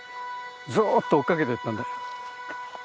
ずっと追っかけてったんだよ。